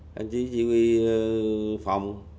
đồng chí chỉ huy phòng